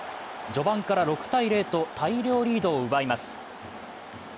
序盤から６−０と大量リードを奪います。